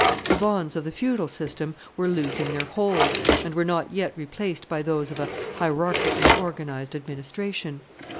The bonds of the feudal system were losing their hold, and were not yet replaced by those of a hierarchically organized administration.